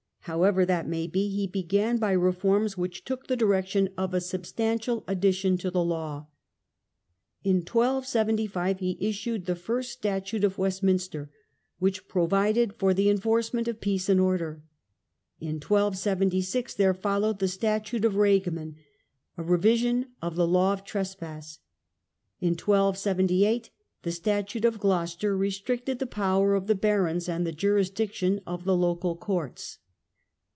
However that may be, he began by reforms which took the direction of a sub stantial addition to the law. In 1275 he issued the First Statute of Westminster^ which provided for the enforcement of peace and order. In 1276 there followed the Statute of Ragemany The laws of a revision of the law of trespass. In 1278 Edward i. the Statute of Gloucester restricted the power of the barons and the jurisdiction of the local courts.